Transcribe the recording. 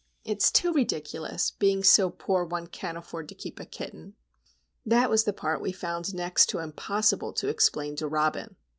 It's too ridiculous,—being so poor one can't afford to keep a kitten!" That was the part we found next to impossible to explain to Robin.